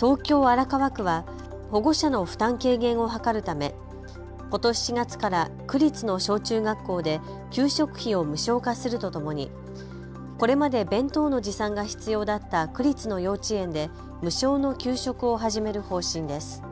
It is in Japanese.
東京荒川区は保護者の負担軽減を図るため、ことし４月から区立の小中学校で給食費を無償化するとともにこれまで弁当の持参が必要だった区立の幼稚園で無償の給食を始める方針です。